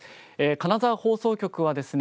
金沢放送局はですね